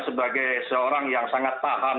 sebagai seorang yang sangat tahan